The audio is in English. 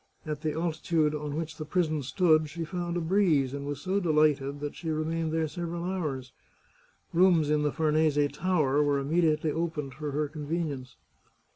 At the altitude on which the prison stood she found a breeze, and was so delighted that she remained there several hours. Rooms in the Farnese Tower were immediately opened for her convenience.